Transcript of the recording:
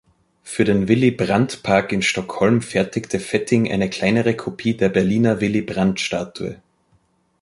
Für den Willy-Brandt-Park in Stockholm fertigte Fetting eine kleinere Kopie der Berliner Willy-Brandt-Statue.